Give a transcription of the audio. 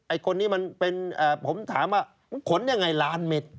คนนี้มันเป็นผมถามว่ามันขนยังไงล้านเม็ด